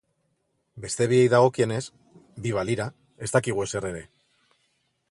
Beste biei dagokienez, bi balira, ez dakigu ezer ere.